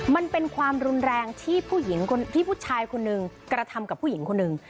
มันเป็นความรุนแรงที่ผู้ชายคนนึงกระทำกับผู้หญิงคนนึง